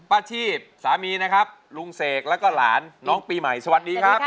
อาชีพสามีนะครับลุงเสกแล้วก็หลานน้องปีใหม่สวัสดีครับ